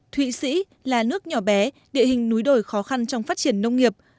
thụy sĩ là nước nhỏ bé địa hình núi đồi khó khăn trong phát triển nông nghiệp